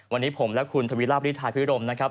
วันนี้ผมและคุณทวีราบรีธาพิรมนะครับ